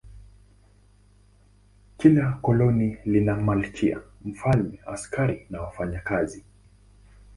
Kila koloni lina malkia, mfalme, askari na wafanyakazi.